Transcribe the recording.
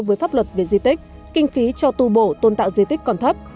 với pháp luật về di tích kinh phí cho tu bổ tôn tạo di tích còn thấp